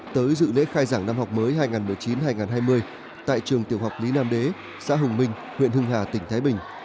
tới dự lễ khai giảng năm học mới hai nghìn một mươi chín hai nghìn hai mươi tại trường tiểu học lý nam đế xã hùng minh huyện hưng hà tỉnh thái bình